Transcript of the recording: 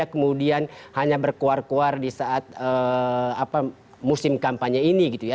kemudian hanya berkuar kuar di saat musim kampanye ini gitu ya